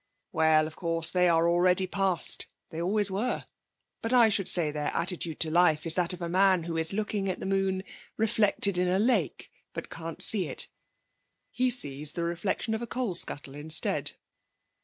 'Well, of course, they are already past, They always were. But I should say their attitude to life is that of the man who is looking at the moon reflected in a lake, but can't see it; he sees the reflection of a coal scuttle instead.'